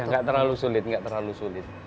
ya tidak terlalu sulit